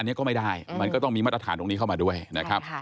อันนี้ก็ไม่ได้มันก็ต้องมีมาตรฐานตรงนี้เข้ามาด้วยนะครับ